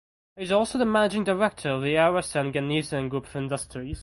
He is also the managing director of the Arasan Ganesan Group of Industries.